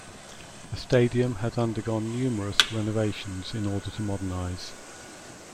The stadium has undergone numerous renovations in order to modernize.